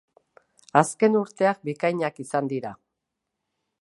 Azken urteak bikainak izan dira.